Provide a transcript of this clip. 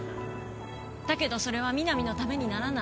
だけどそれは南のためにならない。